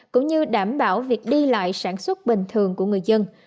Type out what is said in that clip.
cũng như đảm bảo việc đi lại sản xuất bình thường của người dân